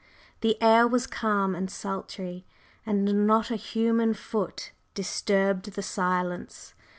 The air was calm and sultry; and not a human foot disturbed the silence.